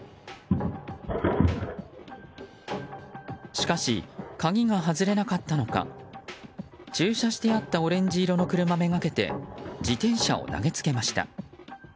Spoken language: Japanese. しかし、鍵が外れなかったのか駐車してあったオレンジ色の車目がけて自転車を投げつけました。